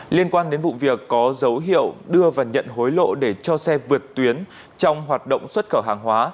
liên quan đến vụ việc có dấu hiệu đưa và nhận hối lộ để cho xe vượt tuyến trong hoạt động xuất khẩu hàng hóa